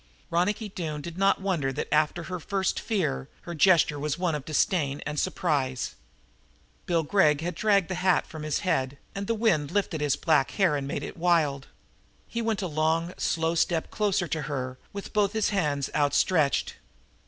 Ronicky Doone did not wonder that, after her first fear, her gesture was one of disdain and surprise. Bill Gregg had dragged the hat from his head, and the wind lifted his long black hair and made it wild. He went a long, slow step closer to her, with both his hands outstretched.